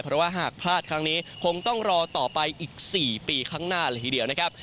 เพราะว่าหากพลาดครั้งนี้คงต้องรอต่อไปอีก๔ปีข้างหน้าเลยทีเดียวนะครับ